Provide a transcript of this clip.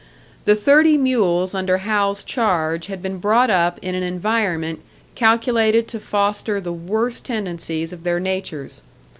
The thirty mules under Hal's charge had been brought up in an environment calculated to foster the worst tendencies of their natures.